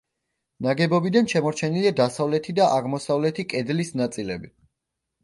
ნაგებობიდან შემორჩენილია დასავლეთი და აღმოსავლეთი კედლის ნაწილები.